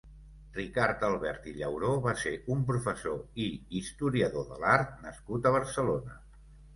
Ricard Albert i Llauró va ser un professor i historiador de l'art nascut a Barcelona.